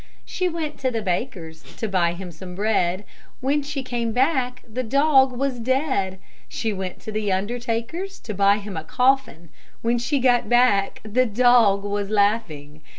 She went to the baker's To buy him some bread; When she came back The dog was dead. She went to the undertaker's To buy him a coffin; When she got back The dog was laughing.